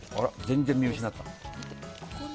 全然、見失った。